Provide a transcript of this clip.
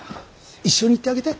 一緒に行ってあげて。